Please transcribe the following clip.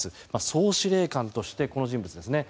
総司令官としてこの人物ですね。